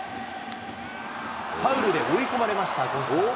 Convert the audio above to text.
ファウルで追い込まれました、赤星さん。